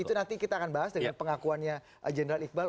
itu nanti kita akan bahas dengan pengakuannya general iqbal